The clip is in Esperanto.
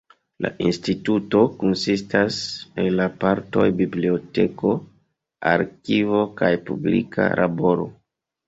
La instituto konsistas el la partoj biblioteko, arkivo kaj publika laboro.